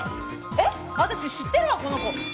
私、知ってるわ、この子。